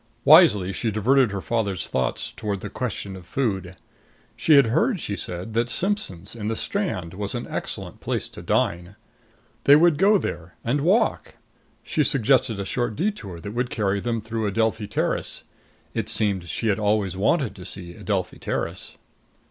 Wisely she diverted her father's thoughts toward the question of food. She had heard, she said, that Simpson's, in the Strand, was an excellent place to dine. They would go there, and walk. She suggested a short detour that would carry them through Adelphi Terrace. It seemed she had always wanted to see Adelphi Terrace.